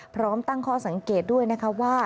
พร้อมตั้งข้อสังเกตด้วยนะคะว่า